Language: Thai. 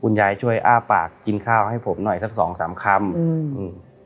ยายช่วยอ้าปากกินข้าวให้ผมหน่อยสักสองสามคำอืมอืม